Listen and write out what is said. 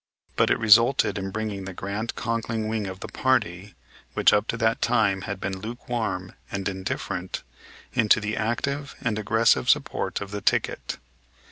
But it resulted in bringing the Grant Conkling wing of the party, which up to that time had been lukewarm and indifferent, into the active and aggressive support of the ticket.